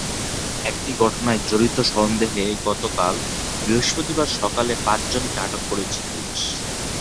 একটি ঘটনায় জড়িত সন্দেহে গতকাল বৃহস্পতিবার সকালে পাঁচজনকে আটক করেছে পুলিশ।